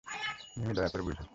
মিমি, দয়া করে বোঝ।